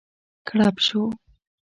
کړپ شو.